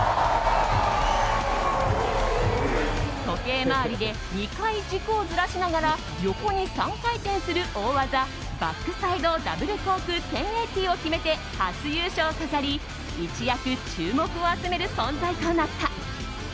時計回りで２回、軸をずらしながら横に３回転する大技バックサイドダブルコーク１０８０を決めて初優勝を飾り一躍注目を集める存在となった。